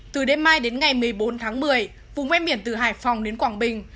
từ đêm mai đến ngày một mươi bốn tháng một mươi vùng ven biển từ hải phòng đến quảng bình